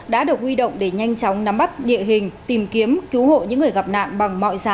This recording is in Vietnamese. đã được huy động để nhanh chóng nắm bắt địa hình tìm kiếm cứu hộ những người gặp nạn